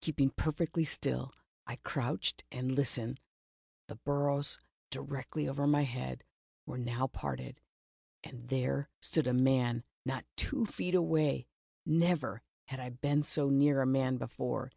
Keeping perfectly still, I crouched and listened. The boughs directly over my head were now parted, and there stood a man, not two feet aw^ay ! Never had I been so near a man before.